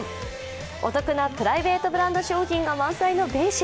お得なプライベートブランド商品が満載のベイシア。